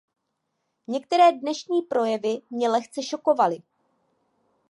Některé dnešní projevy mě lehce šokovaly.